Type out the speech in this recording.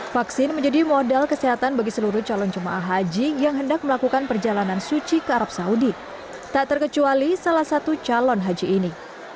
vaksin menjadi modal kesehatan bagi seluruh calon jemaah haji yang hendak melakukan perjalanan suci ke arab saudi tak terkecuali salah satu calon haji ini